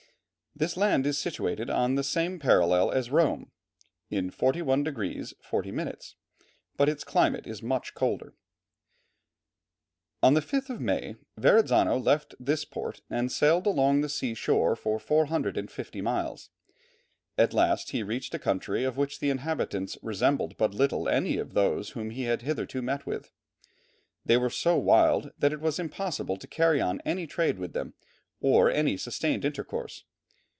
This land is situated on the same parallel as Rome, in 41 degrees 40 minutes, but its climate is much colder. [Illustration: Two Canadian Kings.] On the 5th of May, Verrazzano left this port and sailed along the sea shore for 450 miles. At last he reached a country of which the inhabitants resembled but little any of those whom he had hitherto met with. They were so wild that it was impossible to carry on any trade with them, or any sustained intercourse.